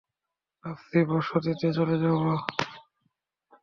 ভাবছি, বসতিতে চলে যাব।